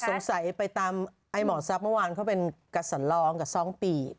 สงสัยไปตามไอ้หมอทรัศน์เมื่อวานเขาเป็นกับสนร้องก็ซ้องตี